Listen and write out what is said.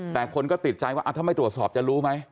แต่คนก็ติดใจว่าถ้าไม่ตรวจสอบจะรู้ไหม